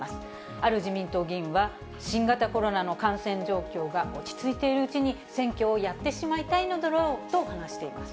ある自民党議員は、新型コロナの感染状況が落ち着いているうちに、選挙をやってしまいたいのだろうと話しています。